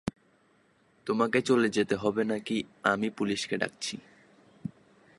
তোমাকে চলে যেতে হবে নাকি আমি পুলিশকে ডাকছি?